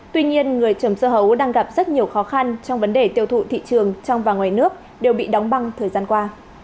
tuy nhiên người trồng dưa hấu đang gặp rất nhiều khó khăn trong vấn đề tiêu thụ thị trường trong và ngoài nước đều bị đóng băng thời gian qua